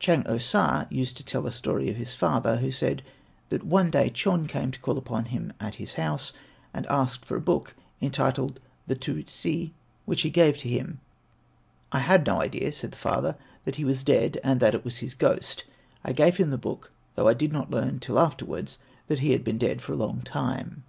Chang O sa used to tell a story of his father, who said that one day Chon came to call upon him at his house and asked for a book entitled The Tu si, which he gave to him. "I had no idea," said the father, "that he was dead and that it was his ghost. I gave him the book, though I did not learn till afterwards that he had been dead for a long time."